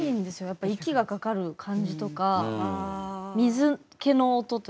やっぱ息がかかる感じとか水けの音というか。